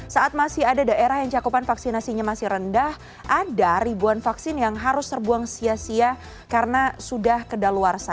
saat masih ada daerah yang cakupan vaksinasinya masih rendah ada ribuan vaksin yang harus terbuang sia sia karena sudah kedaluarsa